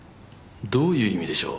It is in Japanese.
どういう意味でしょう？